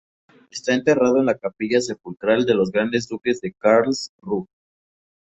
Está enterrado en la Capilla sepulcral de los Grandes Duques en Karlsruhe.